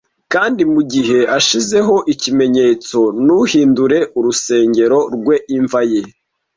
Kandi mugihe ashizeho ikimenyetso ntuhindure urusengero rwe imva ye.